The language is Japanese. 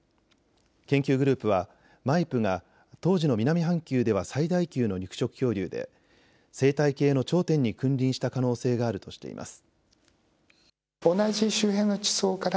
研究グループはマイプが当時の南半球では最大級の肉食恐竜で生態系の頂点に君臨した可能性があるとしています。